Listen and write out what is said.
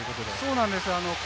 そうなんです。